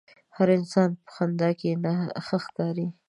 هر انسان په خندا کښې ښه ښکاري.